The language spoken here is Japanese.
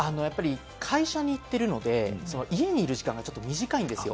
会社に行ってるので、家にいる時間が短いんですよ。